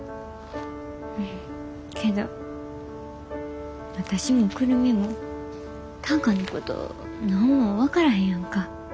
けど私も久留美も短歌のこと何も分からへんやんか。